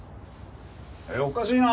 おかしいな。